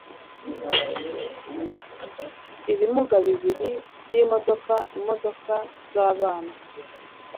ibimuga bibiri byimodoka, imodoka zabana